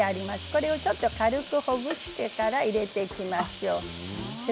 これをちょっと軽くほぐしてから入れていきましょう。